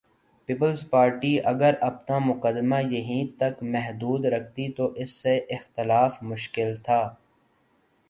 Peoples Party اگر اپنا مقدمہ یہیں تک محدود رکھتی تو اس سے اختلاف مشکل تھا۔